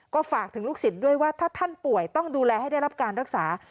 ก็ฝากถึงลูกศิษย์ด้วยว่าถ้าท่านป่วยต้องดูแลให้ได้รับการรักษา